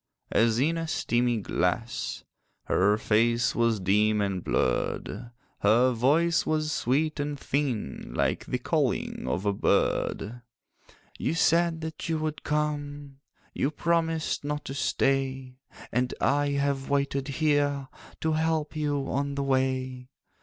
As in a steamy glass, Her face was dim and blurred; Her voice was sweet and thin, Like the calling of a bird. 'You said that you would come, You promised not to stay; And I have waited here, To help you on the way.